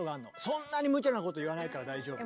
そんなにむちゃなこと言わないから大丈夫。